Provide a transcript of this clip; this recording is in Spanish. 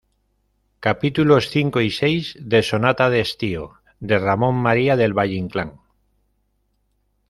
capítulos cinco y seis de Sonata de estío, de Ramón María del Valle-Inclán.